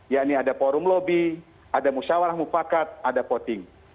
yakni ada forum lobby ada musyawarah mufakat ada voting